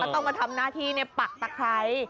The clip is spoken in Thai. ต้องมาทำหน้าที่ปักตะไคร้